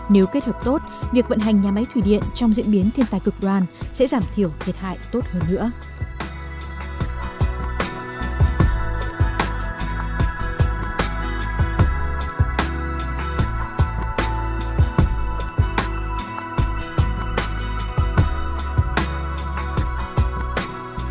nếu kết hợp tốt việc vận hành nhà máy thủy điện trong diễn biến thiên tai cực đoan sẽ giảm thiểu thiệt hại tốt hơn nữa